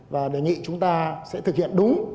và đề nghị chúng ta sẽ thực hiện đúng